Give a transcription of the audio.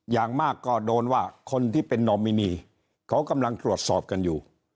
อย่างมากก็โดนว่าคนที่เป็นนอมินีเขากำลังตรวจสอบกันอยู่